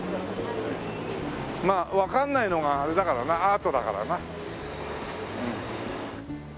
まあわかんないのがあれだからなアートだからな。